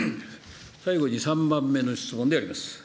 最後に３番目の質問であります。